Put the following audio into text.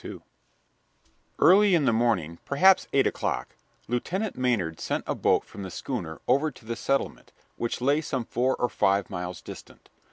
II Early in the morning perhaps eight o'clock Lieutenant Maynard sent a boat from the schooner over to the settlement, which lay some four or five miles distant.